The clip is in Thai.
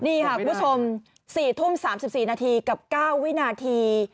นี่ค่ะคุณผู้ชม๔ทุ่ม๓๔นาทีกับ๙วินาที